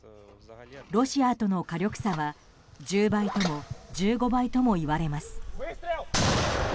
ロシアとの火力差は１０倍とも１５倍ともいわれます。